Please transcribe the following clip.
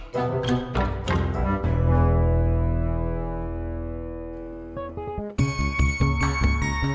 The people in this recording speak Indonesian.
kalau uangmu sudah ny discurmential